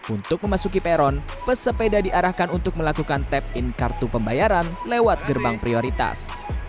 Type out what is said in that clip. untuk memasuki peron pesepeda diarahkan untuk melakukan tap in kartu pembayaran lewat gerbang prioritas